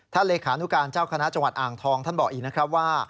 เลขานุการเจ้าคณะจังหวัดอ่างทองท่านบอกอีกนะครับว่า